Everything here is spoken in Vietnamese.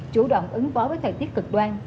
chủ động ứng bó với thời tiết cực đoan